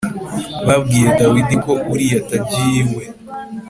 Babwiye Dawidi ko Uriya atagiye iwe